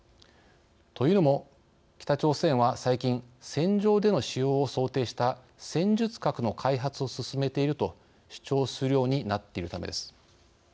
というのも、北朝鮮は最近戦場での使用を想定した戦術核の開発を進めていると主張するようになっているためです。